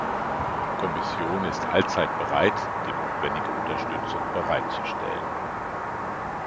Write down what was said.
Die Kommission ist allzeit bereit, die notwendige Unterstützung bereitzustellen.